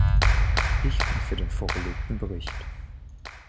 Ich bin für den vorgelegten Bericht.